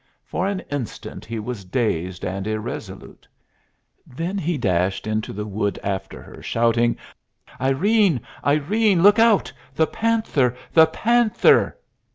For an instant he was dazed and irresolute; then he dashed into the wood after her, shouting: "Irene, Irene, look out! The panther! The panther!"